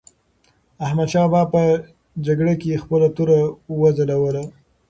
احمدشاه بابا په جګړه کې خپله توره وځلوله.